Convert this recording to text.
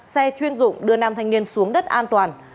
xe chuyên dụng đưa nam thanh niên xuống đất an toàn